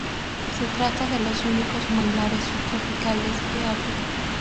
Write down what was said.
Se trata de los únicos manglares subtropicales de África.